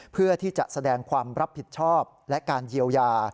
เพื่อที่จะแสดงความรับผิดชอบและการเยียวยา